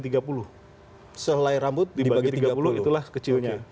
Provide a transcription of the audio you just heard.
selai rambut dibagi tiga puluh itulah kecilnya